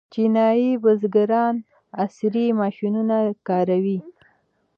چینايي بزګران عصري ماشینونه کاروي.